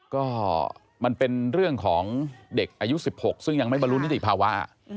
ก็มันเป็นเรื่องของเด็กอายุ๑๖ซึ่งยังไม่บรรลุนิติภาวะ